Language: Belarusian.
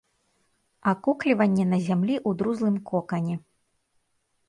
Акукліванне на зямлі ў друзлым кокане.